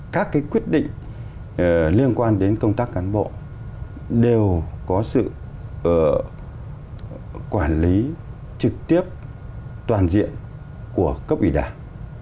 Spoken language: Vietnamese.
các quyết định liên quan đến công tác cán bộ đều có sự quản lý trực tiếp toàn diện của cấp ủy đảng